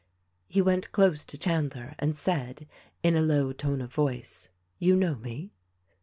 He went close to Chandler and said — in a low tone of voice : "You know me